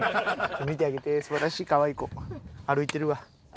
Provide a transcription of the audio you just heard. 見てあげて素晴らしい可愛い子歩いてるわ。